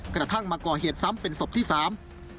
กระทั่งมาก่อเหตุซ้ำเป็นศพที่สาม